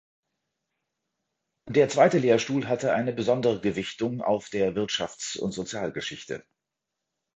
Der zweite Lehrstuhl hatte eine besondere Gewichtung auf der Wirtschafts- und Sozialgeschichte.